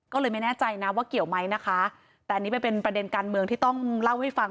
ก็เลยไม่แน่ใจนะว่าเกี่ยวไหมนะคะแต่อันนี้ไปเป็นประเด็นการเมืองที่ต้องเล่าให้ฟัง